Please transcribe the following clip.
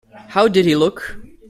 How did he look?